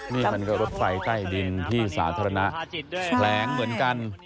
นี่มันก็รถไฟใต้ดินที่สาธารณะแผลงเหมือนกัน